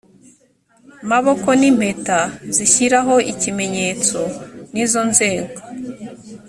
maboko n impeta zishyiraho ikimenyetso n izo nzego